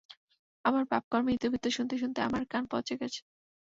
আমার পাপকর্মের ইতিবৃত্ত শুনতে শুনতে আমার কান পচে গেছে।